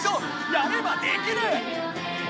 やればできる！